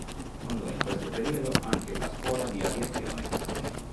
Fondò in questo periodo anche la "Scuola di aviazione Caproni".